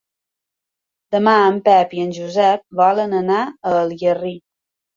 Demà en Pep i en Josep volen anar a Algerri.